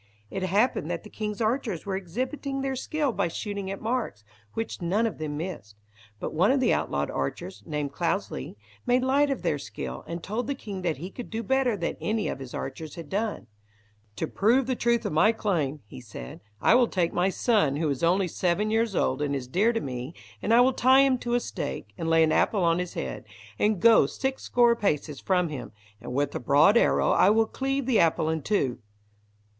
It happened that the king's archers were exhibiting their skill by shooting at marks, which none of them missed. But one of the outlawed archers, named Cloudesly, made light of their skill, and told the king that he could do better than any of his archers had done. "To prove the truth of my claim," he said, "I will take my son, who is only seven years old and is dear to me, and I will tie him to a stake, and lay an apple on his head, and go six score paces from him, and with a broad arrow I will cleave the apple in two."